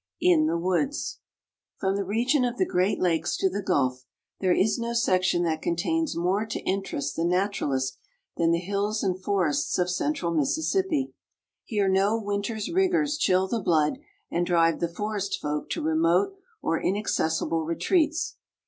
(In the Woods.) From the region of the Great Lakes to the Gulf there is no section that contains more to interest the naturalist than the hills and forests of central Mississippi. Here no winter's rigors chill the blood and drive the forest folk to remote or inaccessible retreats.